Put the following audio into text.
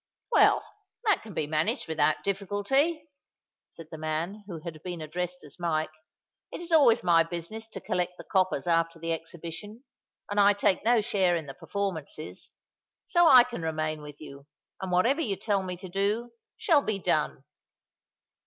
"Well—that can be managed without difficulty," said the man who had been addressed as Mike. "It is always my business to collect the coppers after the exhibition; and I take no share in the performances. So I can remain with you—and whatever you tell me to do, shall be done."